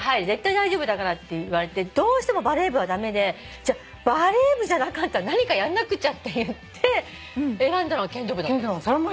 絶対大丈夫だから」って言われてどうしてもバレー部は駄目でじゃあバレー部じゃなかったら何かやんなくちゃっていって選んだのが剣道部だったんです。